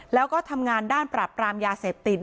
แล้วก็ทำงานด้านปรับปรามยาเสพติด